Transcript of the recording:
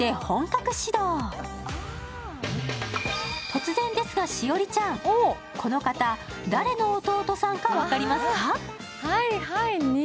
突然ですが、栞里ちゃんこの方、誰の弟さんか分かりますか？